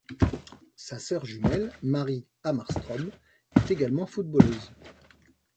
Sa sœur jumelle, Marie Hammarström, est également footballeuse.